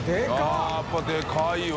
あぁやっぱりでかいわ。